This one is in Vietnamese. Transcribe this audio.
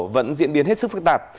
vẫn diễn biến hết sức phức tạp